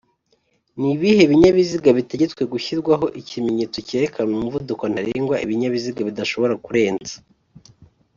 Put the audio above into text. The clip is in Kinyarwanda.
Nibihe binyabiziga bitegetswe gushyirwaho ikimenyetso cyerekana umuvuduko ntarengwa Ibinyabiziga bidashobora kurenza